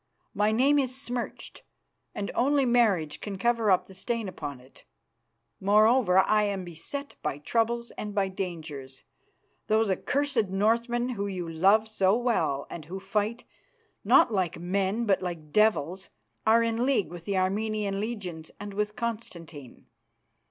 My name is smirched, and only marriage can cover up the stain upon it. Moreover, I am beset by troubles and by dangers. Those accursed Northmen, who love you so well and who fight, not like men but like devils, are in league with the Armenian legions and with Constantine.